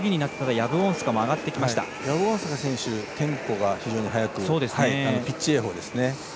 ヤブウォンスカ選手テンポが非常に速くピッチ泳法ですね。